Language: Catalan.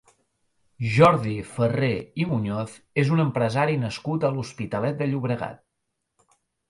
Jordi Farré i Muñoz és un empresari nascut a l'Hospitalet de Llobregat.